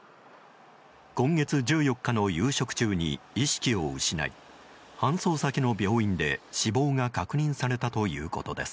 今月１４日の夕食中に意識を失い搬送先の病院で死亡が確認されたということです。